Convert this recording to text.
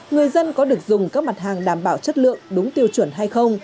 người dân có được dùng các mặt hàng đảm bảo chất lượng đúng tiêu chuẩn hay không